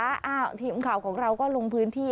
อ้าวทีมข่าวของเราก็ลงพื้นที่